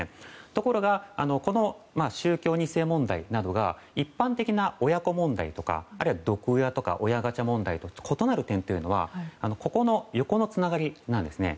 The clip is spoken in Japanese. ところがこの宗教２世問題などが一般的な親子問題とか毒親とか親ガチャ問題とかと異なる点は横のつながりなんですね。